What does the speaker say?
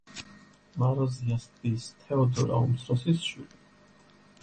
მაროზიას დის, თეოდორა უმცროსის შვილი.